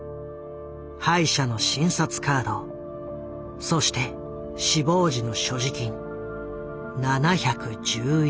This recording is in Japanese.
歯医者の診察カードそして死亡時の所持金７１１円。